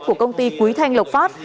của công ty quý thanh lộc phát